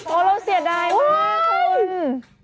โอ้เราเสียดายมากมากคน